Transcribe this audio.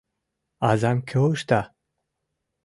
Азам кӧ ышта?